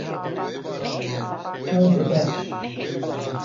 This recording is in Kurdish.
Ew dibe